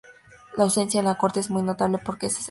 La ausencia de la corte es muy notable porque es excepcional.